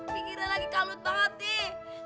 pikirnya lagi kalut banget deh